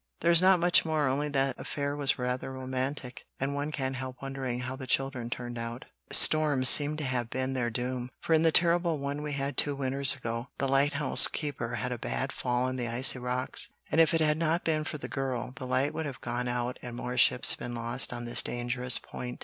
"There's not much more; only that affair was rather romantic, and one can't help wondering how the children turned out. Storms seem to have been their doom, for in the terrible one we had two winters ago, the old lighthouse keeper had a bad fall on the icy rocks, and if it had not been for the girl, the light would have gone out and more ships been lost on this dangerous point.